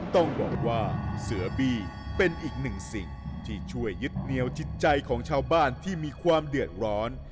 ต้องบอกว่าเสือบี้เป็นอีกหนึ่งสิ่งที่ช่วยยึดเหนียวจิตใจของชาวบ้านที่มีความเดือดร้อน